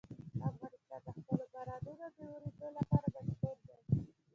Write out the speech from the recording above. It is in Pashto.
افغانستان د خپلو بارانونو د اورېدو لپاره مشهور دی.